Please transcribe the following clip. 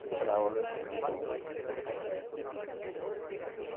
Matemático y humanista español.